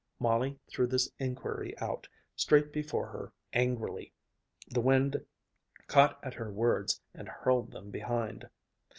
Molly threw this inquiry out, straight before her, angrily. The wind caught at her words and hurled them behind.